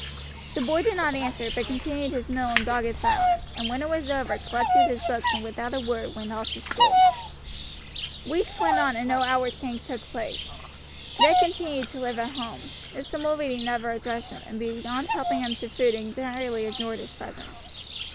The boy did not answer, but continued his meal in dogged silence, and when it was over collected his books and without a word went off to school. Weeks went on, and no outward change took place. Ned continued to live at home. Mr. Mulready never addressed him, and beyond helping him to food entirely ignored his presence.